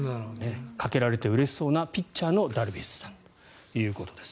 かけられてうれしそうなピッチャーのダルビッシュさんということです。